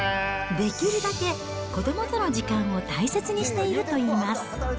できるだけ、子どもとの時間を大切にしているといいます。